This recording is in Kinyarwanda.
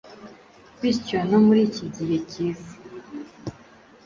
Bityo no muri iki gihe cyiza